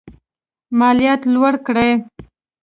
مالیات لوړ کړي.